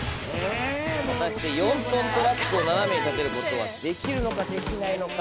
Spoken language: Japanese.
果たして４トントラックを斜めに立てることはできるのかできないのか。